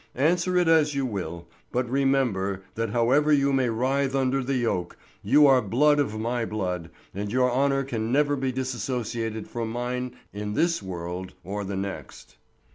Answer it as you will, but remember that however you may writhe under the yoke, you are blood of my blood and your honor can never be disassociated from mine in this world or the next.